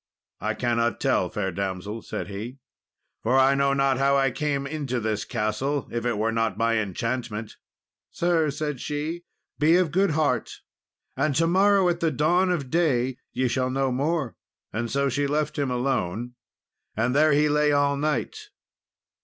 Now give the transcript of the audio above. "I cannot tell, fair damsel," said he, "for I know not how I came into this castle, if it were not by enchantment." "Sir," said she, "be of good heart, and to morrow at the dawn of day, ye shall know more." And so she left him alone, and there he lay all night.